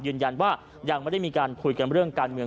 ยืนยันว่ายังไม่ได้มีการคุยกันเรื่องการเมือง